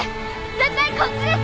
絶対こっちです。